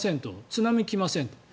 津波来ませんと。